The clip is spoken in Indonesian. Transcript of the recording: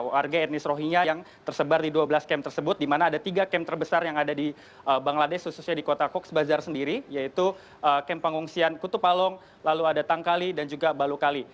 warga etnis rohingya yang tersebar di dua belas camp tersebut di mana ada tiga camp terbesar yang ada di bangladesh khususnya di kota coach bazar sendiri yaitu camp pengungsian kutupalong lalu ada tangkali dan juga balukali